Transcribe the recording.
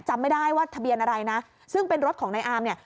จำไม่ได้ว่าทะเบียนอะไรนะซึ่งเป็นรถของนายอามเนี่ย